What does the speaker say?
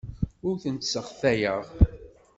Ur tent-sseɣtayeɣ.